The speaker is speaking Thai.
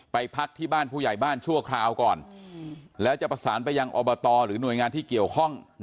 ไปพักที่บ้านผู้ใหญ่บ้านชั่วคราวก่อนแล้วจะประสานไปยังอบตหรือหน่วยงานที่เกี่ยวข้อง